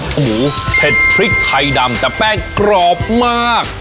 หมูเผ็ดพริกไทยดำแต่แป้งกรอบมาก